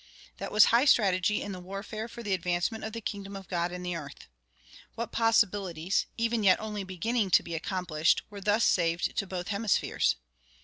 That was high strategy in the warfare for the advancement of the kingdom of God in the earth. What possibilities, even yet only beginning to be accomplished, were thus saved to both hemispheres!